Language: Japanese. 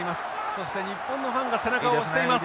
そして日本のファンが背中を押しています。